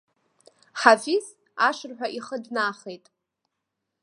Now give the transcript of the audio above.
Ҳафиз ашырҳәа ихы днахеит.